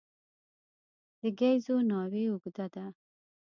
د ګېزو ناوې اوږده ده.